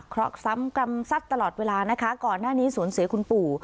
เพราะซ้ำกรรมซัดตลอดเวลานะคะก่อนหน้านี้สูญเสียคุณปู่